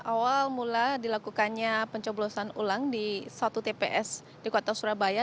awal mula dilakukannya pencoblosan ulang di satu tps di kota surabaya